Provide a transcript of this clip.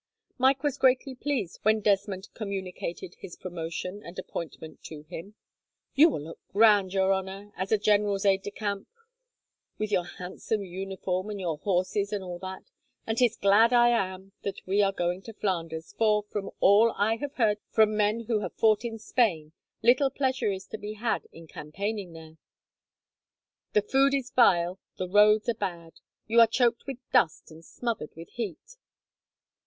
Mike was greatly pleased when Desmond communicated his promotion and appointment to him. "You will look grand, your honour, as a general's aide de camp, with your handsome uniform and your horses and all that, and 'tis glad I am that we are going to Flanders, for, from all I have heard from men who have fought in Spain, little pleasure is to be had in campaigning there. The food is vile, the roads are bad. You are choked with dust and smothered with heat.